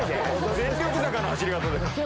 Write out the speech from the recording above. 『全力坂』の走り方だよ。